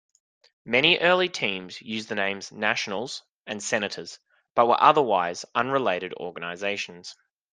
Many early teams used the names "Nationals" and "Senators" but were otherwise unrelated organizations.